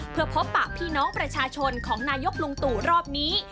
เพื่อพบปะพี่น้องประชาชนของนายกลุงตู่รอบนี้